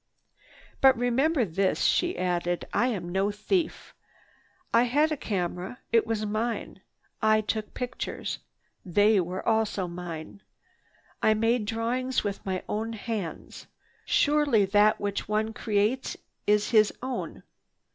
"But remember this," she added, "I am no thief. I had a camera. It was mine. I took pictures. They also were mine. I made drawings with my own hands. Surely that which one creates is his own.